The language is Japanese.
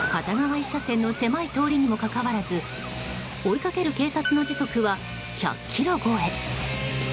１車線の狭い通りにもかかわらず追いかける警察の時速は１００キロ超。